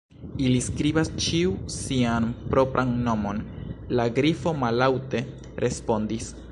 "Ili skribas ĉiu sian propran nomon," la Grifo mallaŭte respondis.